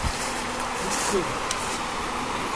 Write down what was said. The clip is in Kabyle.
Nebded.